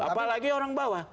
apalagi orang bawah